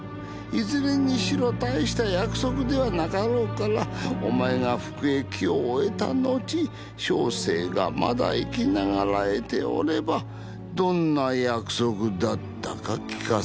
「いずれにしろたいした約束ではなかろうからお前が服役を終えた後小生がまだ生き長らえておればどんな約束だったか聞かせてほしい」